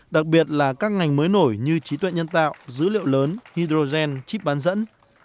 đặc biệt là các ngành mới nổi như trí tuệ nhân tạo dữ liệu lớn hydrogen chip bán dẫn